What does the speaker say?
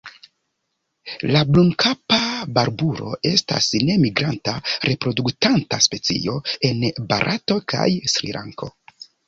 La Brunkapa barbulo estas nemigranta reproduktanta specio en Barato kaj Srilanko.